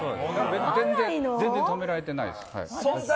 全然止められてないです。